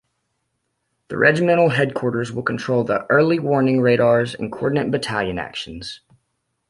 The regimental headquarters will control the early-warning radars and coordinate battalion actions.